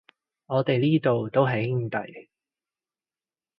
我哋呢度都係兄弟